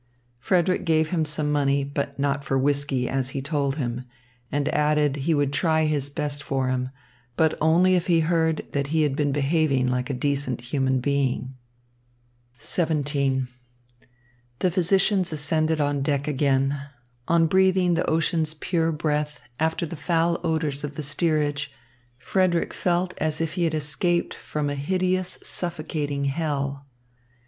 Frederick gave him some money, but not for whisky, as he told him, and added he would try his best for him, but only if he heard that he had been behaving like a decent human being. XVII The physicians ascended on deck again. On breathing in the ocean's pure breath after the foul odours of the steerage, Frederick felt as if he had escaped from a hideous, suffocating hell.